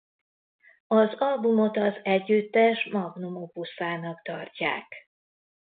Az albumot az együttes magnum opusának tartják.